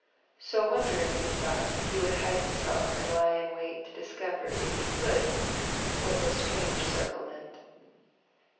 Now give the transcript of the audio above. So wondering he thought he would hide himself and lie in wait to discover, if he could, what this strange circle meant.